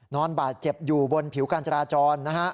นอนบาดเจ็บอยู่บนผิวการจราจรนะฮะ